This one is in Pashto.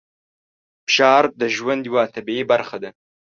فشار د ژوند یوه طبیعي برخه ده.